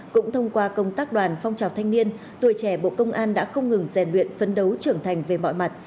cũng thông qua công tác đoàn phong trào thanh niên tuổi trẻ bộ công an đã không ngừng rèn luyện phấn đấu trưởng thành về mọi mặt